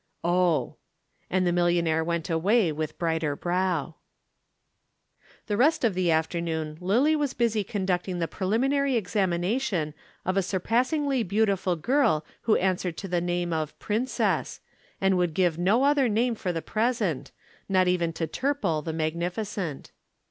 "Oh!" and the millionaire went away with brighter brow. [Illustration: The Millionaire.] The rest of the afternoon Lillie was busy conducting the Preliminary Examination of a surpassingly beautiful girl who answered to the name of "Princess," and would give no other name for the present, not even to Turple the magnificent.